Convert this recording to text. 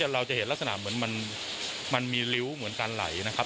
เราจะเห็นลักษณะเหมือนมันมีริ้วเหมือนการไหลนะครับ